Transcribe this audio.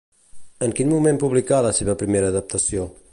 En quin moment publicà la seva primera adaptació?